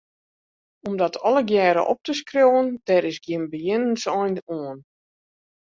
Om dat allegearre op te skriuwen, dêr is gjin begjinnensein oan.